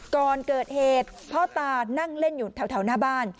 ก่อนเกิดเหตุพ่อตานั่งเล่นอยู่แถวหน้าบ้าน